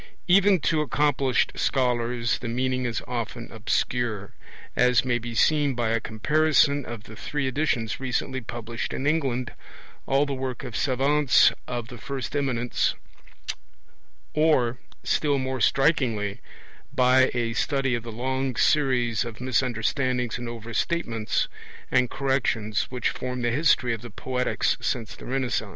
Even to accomplished scholars the meaning is often obscure, as may be seen by a comparison of the three editions recently published in England, all the work of savants of the first eminence, (1) or, still more strikingly, by a study of the long series of misunderstandings and overstatements and corrections which form the history of the Poetics since the Renaissance.